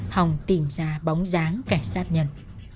hồng tìm ra bóng dáng kẻ sát nhân